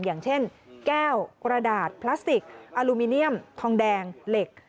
อย่างเช่นแก้วกระดาษพลาสติกอลูมิเนียมทองแดงเหล็ก